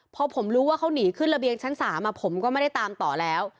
พอผมรู้ว่าเขาหนีขึ้นระเบียงชั้น๓ผมก็ไม่ได้ตามต่อแล้ว